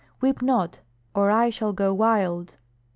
Weep not, or I shall go wild!"